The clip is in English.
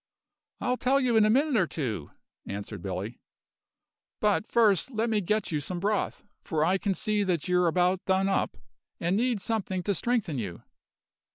"I'll tell you in a minute or two," answered Billy. "But, first, let me get you some broth, for I can see that you're about done up, and need something to strengthen you.